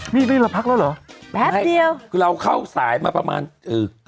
นี่นี่เราพักแล้วเหรอแป๊บเดียวคือเราเข้าสายมาประมาณเออ